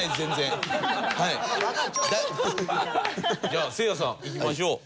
じゃあせいやさんいきましょう。